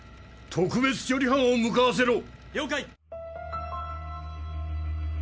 特別処理班を向かわせろ。